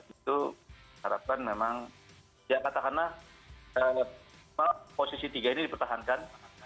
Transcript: itu harapkan memang ya katakanlah posisi tiga ini dipertahankan